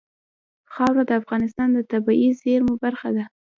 خاوره د افغانستان د طبیعي زیرمو برخه ده.